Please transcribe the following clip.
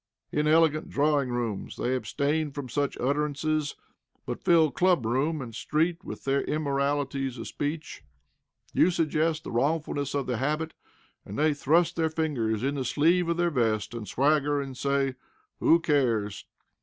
In elegant drawing rooms they abstain from such utterances, but fill club room and street with their immoralities of speech. You suggest the wrongfulness of the habit, and they thrust their finger in the sleeve of their vest, and swagger, and say: "Who cares!"